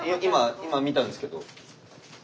今見たんですけど。